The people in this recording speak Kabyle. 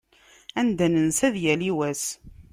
Anda nensa, ad yali wass.